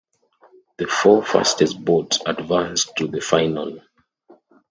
The four fastest boats advanced to the final.